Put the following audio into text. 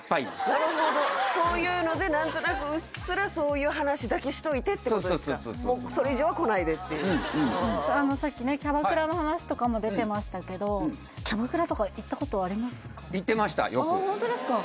なるほどそういうので何となくうっすらそういう話だけしといてってことですかもうそれ以上は来ないでってうんうんうんさっきねキャバクラの話とかも出てましたけど行ってましたよくあホントですか？